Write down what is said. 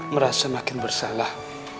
merasa makin bersalah